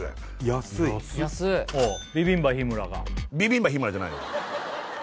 ・安い安いビビンバ日村がビビンバ日村じゃないよ